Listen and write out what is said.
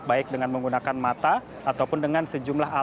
baik dengan menggunakan mata ataupun dengan sejumlah alat